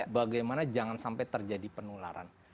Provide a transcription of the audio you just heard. bagaimana jangan sampai terjadi penularan